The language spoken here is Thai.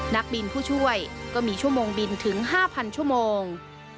นักบินผู้ช่วยก็มีชั่วโมงบินถึง๕๐๐ชั่วโมง